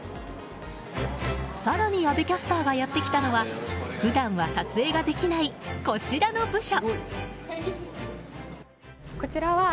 更に、阿部キャスターがやってきたのは普段は撮影ができないこちらの部署。